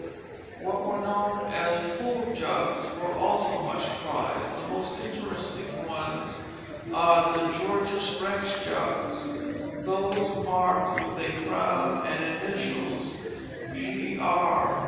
What were known as "Fulham juggs" were also much prized. The most interesting ones are the Georgius Rex jugs, those marked with a crown, the initials G. R.